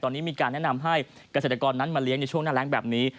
ตอนนี้มีการแนะนำให้เกษตรกรนั้นมาเลี้ยงในช่วงหน้าแรงแบบนี้